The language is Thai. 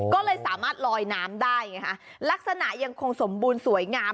ก็เลยสามารถลอยน้ำได้ไงฮะลักษณะยังคงสมบูรณ์สวยงาม